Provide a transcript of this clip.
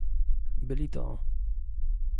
Byli to